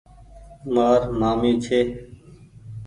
مآر مآمي ڇي ۔